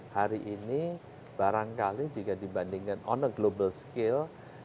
hari ini barangkali jika dibandingkan on a global scale